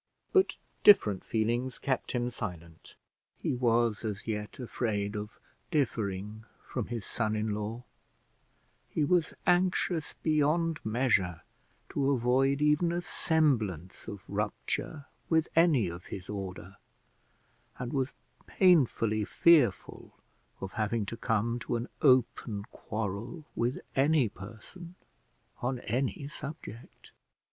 But different feelings kept him silent; he was as yet afraid of differing from his son in law; he was anxious beyond measure to avoid even a semblance of rupture with any of his order, and was painfully fearful of having to come to an open quarrel with any person on any subject.